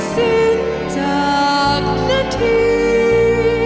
สิ้นจากนาที